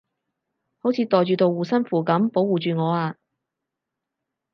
好似袋住道護身符噉保護住我啊